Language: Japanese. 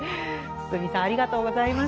堤さんありがとうございました。